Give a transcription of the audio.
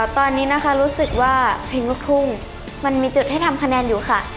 ตอนนี้นะคะรู้สึกว่าเพลงลูกทุ่งมันมีจุดให้ทำคะแนนอยู่ค่ะ